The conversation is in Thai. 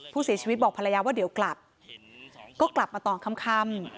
ผู้เสียชีวิตบอกภรรยาว่าเดี๋ยวกลับก็กลับมาตอนค่ำ